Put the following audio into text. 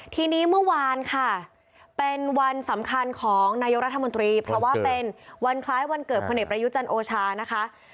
ทีนี้เมื่อวานค่ะเป็นวันสำคัญของนายกรัฐมนตรีเพราะว่าเป็นวันคล้ายวันเกิดพลเอกประยุจันทร์โอชานะคะ